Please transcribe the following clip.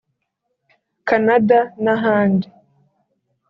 Canada n’ahandi